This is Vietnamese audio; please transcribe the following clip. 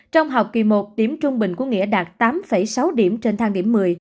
trong học kỳ một điểm trung bình của nghĩa đạt tám sáu điểm trên thang điểm một mươi